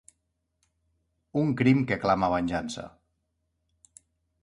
Un crim que clama venjança.